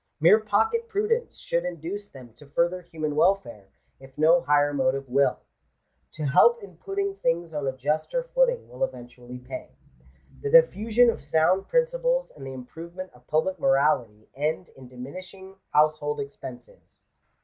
Mere pocket prudence should induce them to further human welfare, if no higher motive will. To help in putting things on a juster footing will eventually pay. The diffusion of sound principles and the improvement of public morality, end in diminishing household expenses.